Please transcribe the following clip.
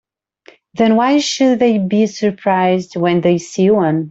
Then why should they be surprised when they see one?